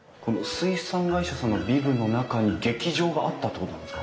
水産会社さんのビルの中に劇場があったってことなんですか？